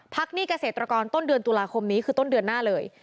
หนี้เกษตรกรต้นเดือนตุลาคมนี้คือต้นเดือนหน้าเลย